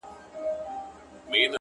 چي بیا زما د ژوند شکايت درنه وړي و تاته،